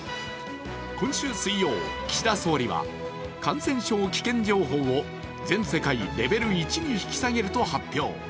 今週水曜、岸田総理は感染症危険情報を全世界、レベル１に引き下げると発表。